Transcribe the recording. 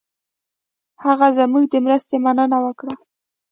هغه زموږ د مرستې مننه وکړه.